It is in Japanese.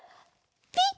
ピッ！